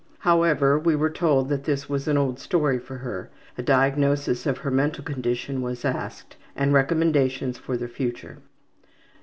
However, we were told that this was an old story with her. A diagnosis of her mental condition was asked, and recommendations for the future.